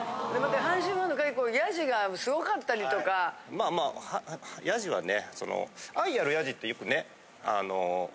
まあまあヤジはね。